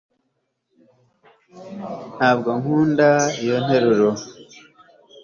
ntabwo nkunda iyo nteruro